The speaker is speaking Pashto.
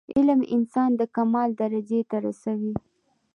علم انسان د کمال درجي ته رسوي.